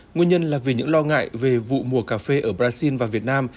nguyên nhân là vì những lo ngại về vụ mùa cà phê ở brazil và việt nam